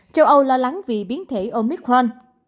châu âu lo lắng vì biến thể omicron